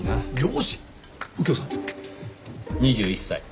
２１歳。